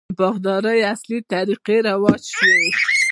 د باغدارۍ عصري طریقې رواج شوي.